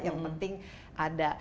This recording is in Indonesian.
yang penting ada